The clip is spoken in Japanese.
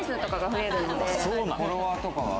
フォロワー数とかは？